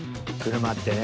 車ってね